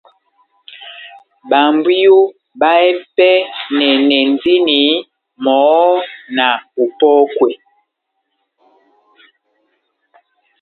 Babwiyo bahɛpɛnɛnɛndini mɔhɔ́ na opɔ́kwa